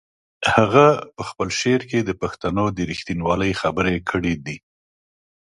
هغه په خپل شعر کې د پښتنو د رښتینولۍ خبرې کړې دي.